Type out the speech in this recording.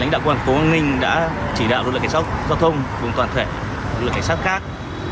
lãnh đạo quân quân ninh đã chỉ đạo lực lượng giao thông vùng toàn thể lực lượng giao thông khác